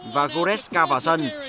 và goretzka vào dân